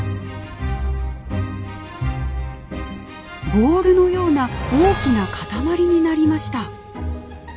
ボールのような大きな固まりになりました。